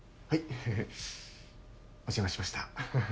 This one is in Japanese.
フフお邪魔しました。